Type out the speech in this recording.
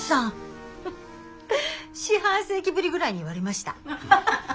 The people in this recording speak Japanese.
四半世紀ぶりぐらいに言われました。